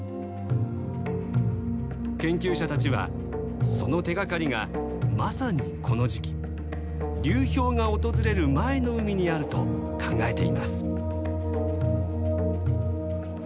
研究者たちはその手がかりがまさにこの時期流氷が訪れる前の海にあると考えています。